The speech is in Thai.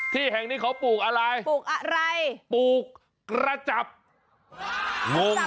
ที่แห่งนี้เขาปลูกอะไรปลูกกระจับงง